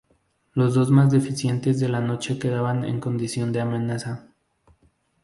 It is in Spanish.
Los dos más deficientes de la noche quedaban en condición de amenaza.